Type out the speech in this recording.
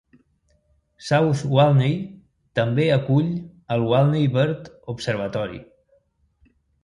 South Walney també acull el Walney Bird Observatory.